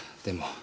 でも。